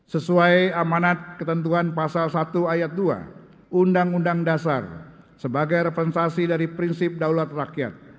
sesuai amanat ketentuan pasal satu ayat dua undang undang dasar sebagai representasi dari prinsip daulat rakyat